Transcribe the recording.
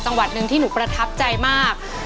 จังหวัดหนึ่งที่หนูประทับใจมาก